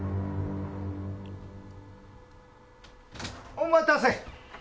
お待たせ。